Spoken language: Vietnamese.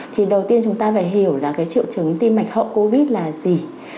thì đầu tiên chúng ta phải hiểu là cái triệu chứng tim mạch hậu covid là gì